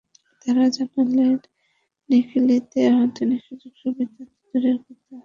তাঁরা জানালেন, নিকলীতে আধুনিক সুযোগ-সুবিধাতো দূরের কথা, ডাইভ দেওয়ার ব্যবস্থাও নেই।